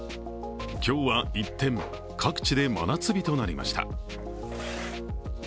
今日は一転、各地で真夏日となりました。